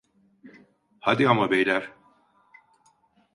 Hadi ama beyler.